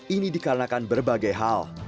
ini dikarenakan berbagai hal